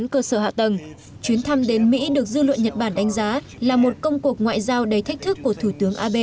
cơ sở hạ tầng chuyến thăm đến mỹ được dư luận nhật bản đánh giá là một công cuộc ngoại giao đầy thách thức của thủ tướng abe